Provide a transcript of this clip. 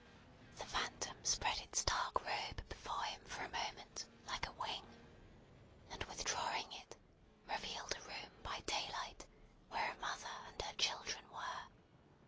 The Phantom spread its dark robe before him for a moment, like a wing; and withdrawing it, revealed a room by daylight, where a mother and her children were.